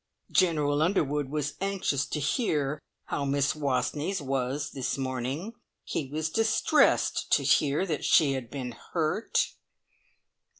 "General Underwood was anxious to hear how Miss Wastneys was this morning. He was distressed to hear that she had been hurt."